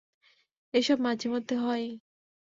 এসব মাঝেমধ্যে হয়ই!